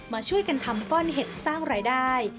มาช่วยกันทำก้อนเห็ดสร้างรายได้